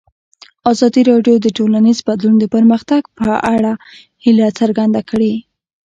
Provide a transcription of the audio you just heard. ازادي راډیو د ټولنیز بدلون د پرمختګ په اړه هیله څرګنده کړې.